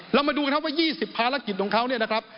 เรามาดูกันครับว่า๒๐ภารกิจของเขาเนี่ยนะครับ